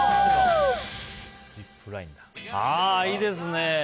いいですね。